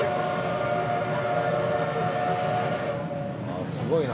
あすごいな。